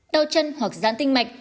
đau chân hoặc rán tinh mạch